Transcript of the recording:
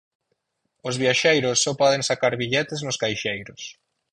Os viaxeiros só poden sacar billetes nos caixeiros.